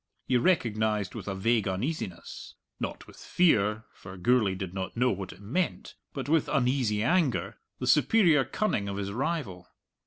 He recognized with a vague uneasiness not with fear, for Gourlay did not know what it meant, but with uneasy anger the superior cunning of his rival.